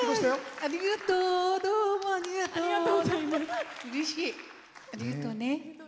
ありがとうね。